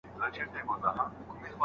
حکومت د شتمنو د مال څارنه کوي.